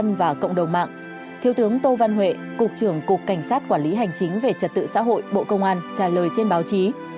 và cộng đồng mạng thiếu tướng tô văn huệ cục trưởng cục cảnh sát quản lý hành chính về trật tự xã hội bộ công an trả lời trên báo chí